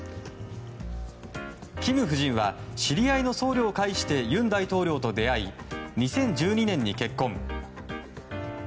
キム夫人は知り合いの僧侶を介して尹大統領と出会い２０１２年に結婚。